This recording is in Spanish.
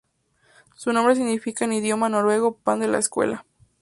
Su nombre significa en idioma noruego 'pan de la escuela'.